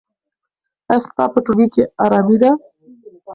ایا ستا په ټولګي کې ارامي ده؟